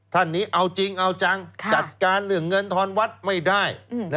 ท่านนี้เอาจริงเอาจังจัดการเรื่องเงินทอนวัดไม่ได้